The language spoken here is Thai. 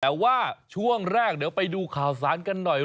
แต่ว่าช่วงแรกเดี๋ยวไปดูข่าวสารกันหน่อย